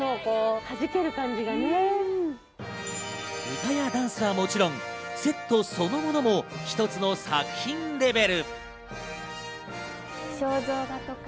歌やダンスはもちろん、セットそのものも一つの作品レベル。